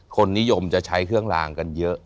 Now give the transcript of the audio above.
คนนิยมจะใช้เครื่องลางกันเยอะ